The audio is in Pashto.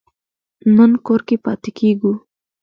نن کور کې پاتې کیږو